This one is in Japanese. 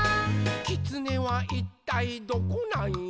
「きつねはいったいどこなんよ？」